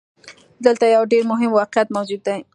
دلته يو ډېر مهم واقعيت موجود دی.